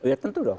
iya tentu dong